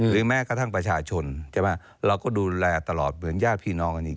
แม้กระทั่งประชาชนใช่ไหมเราก็ดูแลตลอดเหมือนญาติพี่น้องกันอีก